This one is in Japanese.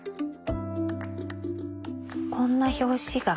こんな表紙が。